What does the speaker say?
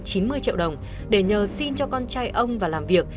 chín mươi triệu đồng để nhờ xin cho con trai ông và làm việc